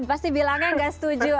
pasti bilangnya gak setuju